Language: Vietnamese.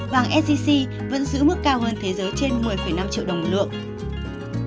vàng sgc vẫn giữ mức cao hơn thế giới trên một mươi năm triệu đồng một lượng